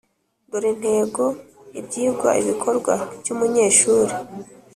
dore ntego ibyigwa ibikorwa by’umunyeshuri